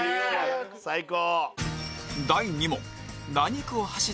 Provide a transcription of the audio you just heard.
最高！